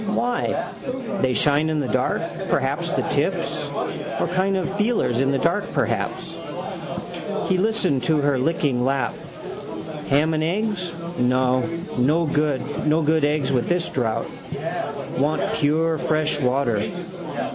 Why? They shine in the dark, perhaps, the tips. Or kind of feelers in the dark, perhaps. He listened to her licking lap. Ham and eggs, no. No good eggs with this drouth. Want pure fresh water.